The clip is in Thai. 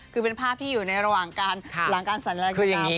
คือเป็นภาพที่อยู่ในระหว่างการค่ะหลังการสัญลัยคุณทำคืออย่างงี้